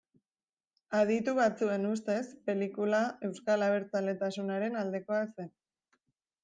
Aditu batzuen ustez, pelikula euskal abertzaletasunaren aldekoa zen